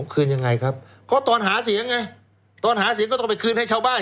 คืนยังไงครับเพราะตอนหาเสียงไงตอนหาเสียงก็ต้องไปคืนให้ชาวบ้าน